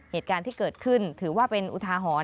เหตุการณ์ที่เกิดขึ้นถือว่าเป็นอุทาหรณ์